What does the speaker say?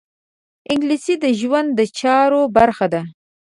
انګلیسي د ژوند د چارو برخه ده